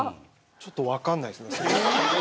ちょっと分かんないですね。